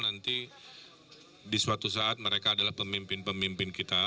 nanti di suatu saat mereka adalah pemimpin pemimpin kita